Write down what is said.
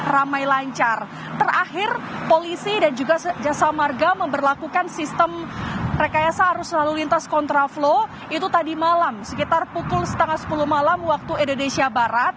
ramai lancar terakhir polisi dan juga jasa marga memperlakukan sistem rekayasa arus lalu lintas kontraflow itu tadi malam sekitar pukul setengah sepuluh malam waktu indonesia barat